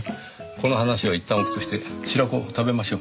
この話はいったんおくとして白子を食べましょう。